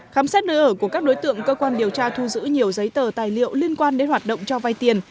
khám xét nơi ở của các đối tượng cơ quan điều tra thu giữ nhiều giấy tờ tài liệu liên quan đến hoạt động cho vai tiền